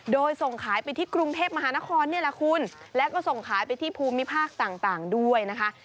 โดยส่งขายไปที่กรุงเทพมหานครนี่แหละคุณแล้วก็ส่งขายไปที่ภูมิภาคต่างด้วยนะคะ